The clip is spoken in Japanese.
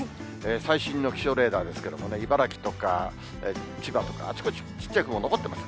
最新の気象レーダーですけれどもね、茨城とか千葉とか、あちこちちっちゃい雲、残ってます。